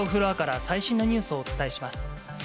報道フロアから、最新のニュースをお伝えします。